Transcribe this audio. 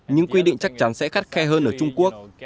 nhưng quy định chắc chắn sẽ khắt khe hơn ở trung quốc